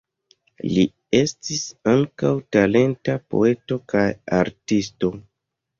Li estis ankaŭ talenta poeto kaj artisto.